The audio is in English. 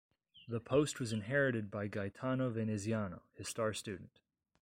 The post was inherited by Gaetano Veneziano, his star student.